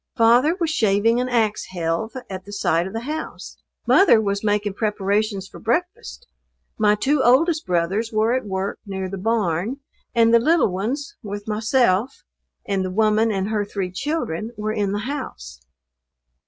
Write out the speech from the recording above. Father was shaving an axe helve at the side of the house; mother was making preparations for breakfast; my two oldest brothers were at work near the barn; and the little ones, with myself, and the woman and her three children, were in the house.